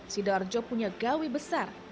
sidoarjo punya gawi besar